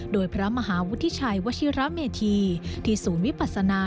โดยพระมหาวุฒิชัยวชิระเมธีที่ศูนย์วิปัสนา